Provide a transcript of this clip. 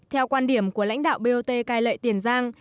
theo quan điểm của lãnh đạo bot cai lệ tiền giang